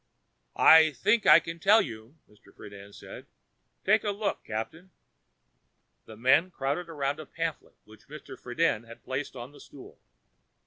"I think I can tell you," Mr. Friden said. "Take a look, Captain." The men crowded about a pamphlet which Mr. Friden had placed on the stool.